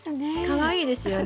かわいいですよね。